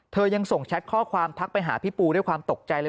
ยังส่งแชทข้อความทักไปหาพี่ปูด้วยความตกใจเลย